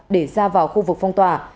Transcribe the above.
để ra vào khu vực phong tỏa